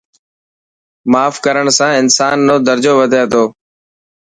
ماف ڪرڻ سان انسان رو درجو وڌي ٿو.